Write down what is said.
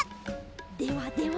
ではでは。